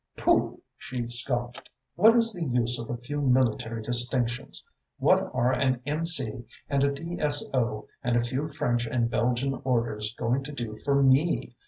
"Pooh!" she scoffed. "What is the use of a few military distinctions? What are an M.C. and a D.S.O. and a few French and Belgian orders going to do for me?